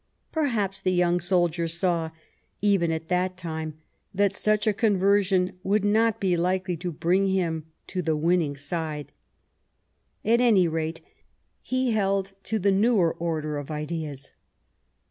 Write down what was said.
Per haps the young soldier saw, even at that time, that such a conversion would not be likely to bring him to the winning side; at any rate, he held to the newer order of ideas.